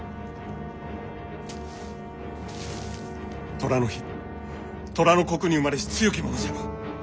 寅の日寅の刻に生まれし強き者じゃろ。